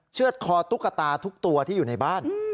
เชื่อดคอตุ๊กตาทุกตัวที่อยู่ในบ้าน